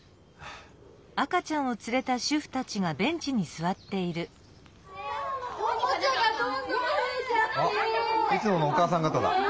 あっいつものお母さんがただ。